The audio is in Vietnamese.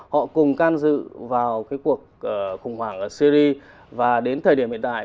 họ cùng can dự vào cái cuộc khủng hoảng ở syri và đến thời điểm hiện tại